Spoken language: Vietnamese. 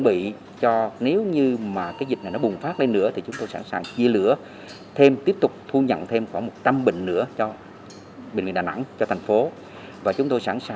bệnh viện đà nẵng